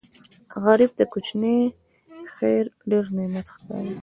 غریب ته کوچنی خیر ډېر نعمت ښکاري